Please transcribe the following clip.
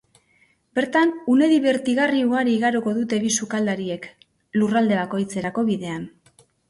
Bertan une dibertigarri ugari igaroko dute bi sukaldariek, lurralde bakoitzerako bidean.